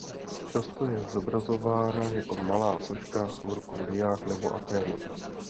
Často je zobrazována jako malá soška v rukou Dia nebo Athény.